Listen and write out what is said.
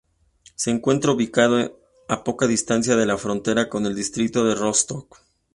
Se encuentra ubicado a poca distancia de la frontera con el distrito de Rostock.